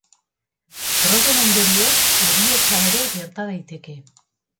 Drogen ondorioz heriotza ere gerta daiteke.